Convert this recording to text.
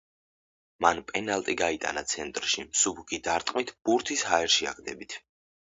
მან პენალტი გაიტანა ცენტრში, მსუბუქი დარტყმით, ბურთის ჰაერში აგდებით.